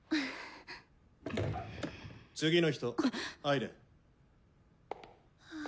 ・次の人入れ。